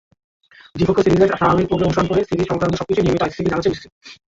দ্বিপক্ষীয় সিরিজের স্বাভাবিক প্রক্রিয়া অনুসরণ করে সিরিজ-সংক্রান্ত সবকিছুই নিয়মিত আইসিসিকে জানাচ্ছে বিসিবি।